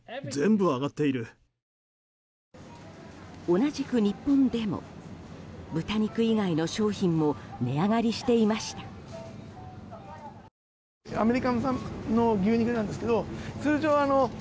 同じく日本でも豚肉以外の商品も値上がりしていました。